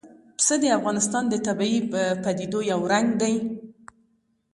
پسه د افغانستان د طبیعي پدیدو یو رنګ دی.